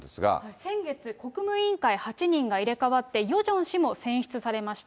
先月、国務委員会８人が入れ代わって、ヨジョン氏も選出されました。